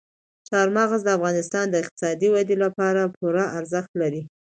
چار مغز د افغانستان د اقتصادي ودې لپاره پوره ارزښت لري.